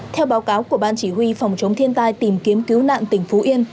theo báo cáo của ban chỉ huy phòng chống thiên tai tìm kiếm cứu nạn tỉnh phú yên